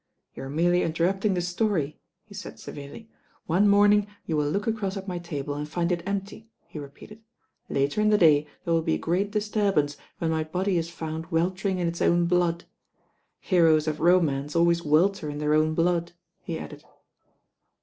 "You are merely interrupting the story," he said severely. "One morning you will look across at my table and find it empty," he repeated. "Later in the day there will be a great disturbance when my body is found weltering in its own blood. Heroes of romance always welter in their own blood," he added.